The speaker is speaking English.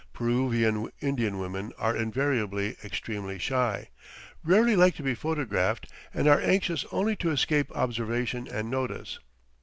Peruvian Indian women are invariably extremely shy, rarely like to be photographed, and are anxious only to escape observation and notice.